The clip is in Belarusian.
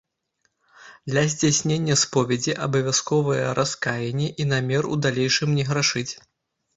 Для здзяйснення споведзі абавязковыя раскаянне і намер у далейшым не грашыць.